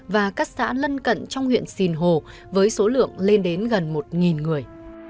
và các xã lân cận trong huyện sìn hồ với số lượng lên đến gần một người